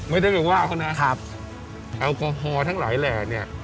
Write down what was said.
ไม่ได้ว่าเจอก็นะแอลกอฮอล์ทั้งหลายแหล่งเนี่ย